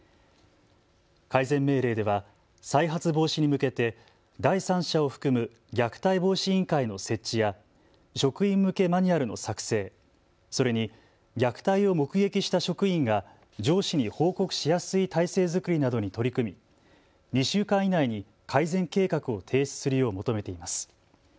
改善命令では再発防止に向けて第三者を含む虐待防止委員会の設置や職員向けマニュアルの作成、それに虐待を目撃した職員が上司に報告しやすい体制づくりなどに取り組み２週間以内に改善計画を提出するよう求めています。